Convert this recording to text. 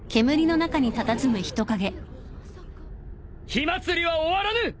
火祭りは終わらぬ！